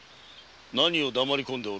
何を黙りこんでおる？